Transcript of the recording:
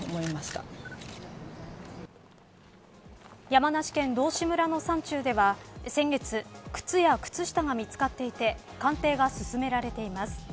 山梨県道志村の山中では先月、靴や靴下が見つかっていて鑑定が進められています。